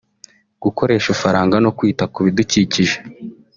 gukoresha ifaranga no kwita ku bidukikije